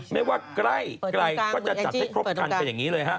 ไม่ว่าใกล้ก็จะจัดให้ครบคันเป็นอย่างนี้เลยฮะ